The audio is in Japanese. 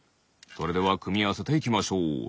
それではくみあわせていきましょう。